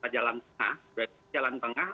jalan tengah berarti jalan tengah